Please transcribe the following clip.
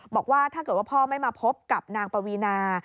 บอกว่าถ้าเกิดว่าพ่อไม่มาพบกับนางปวีนา